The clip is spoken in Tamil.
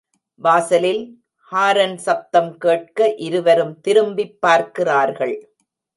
வாசலில் ஹாரன் சப்தம் கேட்க இருவரும் திரும்பிப் பார்க்கிறார்கள்.